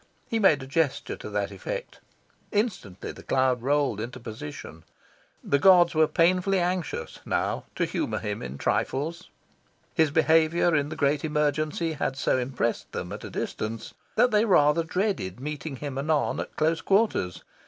He made a gesture to that effect. Instantly the cloud rolled into position. The gods were painfully anxious, now, to humour him in trifles. His behaviour in the great emergency had so impressed them at a distance that they rather dreaded meeting him anon at close quarters.